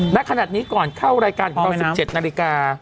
ณขนาดนี้ก่อนเข้ารายการของเรา๑๗นาฬิกา